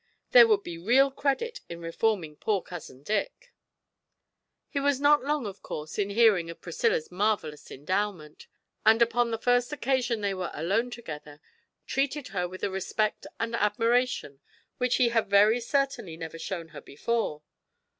There would be real credit in reforming poor cousin Dick. He was not long, of course, in hearing of Priscilla's marvellous endowment, and upon the first occasion they were alone together treated her with a respect and admiration which he had very certainly never shown her before.